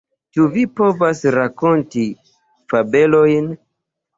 Ĉu vi povas rakonti fabelojn?